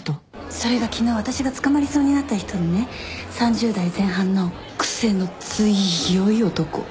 それが昨日私が捕まりそうになった人でね３０代前半の癖の強い男。